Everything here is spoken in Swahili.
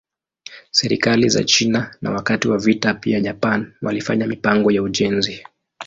Serikali za China na wakati wa vita pia Japan walifanya mipango ya ujenzi.